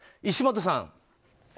石本さん。